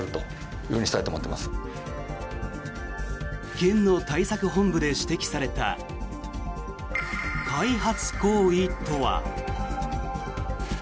県の対策本部で指摘された開発行為とは。